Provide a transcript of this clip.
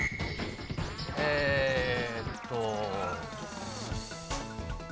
えーっと。